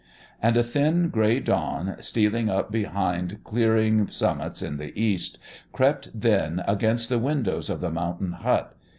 And a thin, grey dawn, stealing up behind clearing summits in the east, crept then against the windows of the mountain hut.